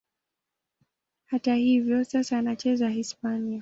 Hata hivyo, sasa anacheza Hispania.